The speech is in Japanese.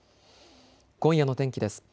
今夜の天気です。